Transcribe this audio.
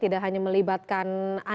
tidak hanya melibatkan korban